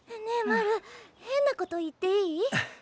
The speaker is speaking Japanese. ねえマル変なこと言っていい？